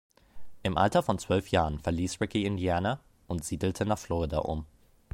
Im Alter von zwölf Jahren verließ Ricky Indiana und siedelte nach Florida um.